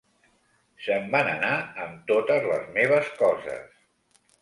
Se'n van anar amb totes les meves coses